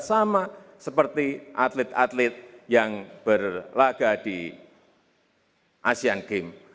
sama seperti atlet atlet yang berlaga di asean game